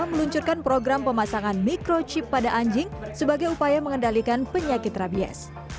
meluncurkan program pemasangan mikrochip pada anjing sebagai upaya mengendalikan penyakit rabies